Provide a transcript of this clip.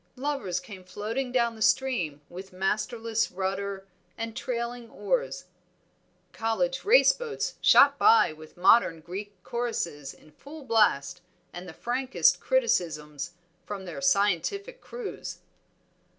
Lovers came floating down the stream with masterless rudder and trailing oars. College race boats shot by with modern Greek choruses in full blast and the frankest criticisms from their scientific crews.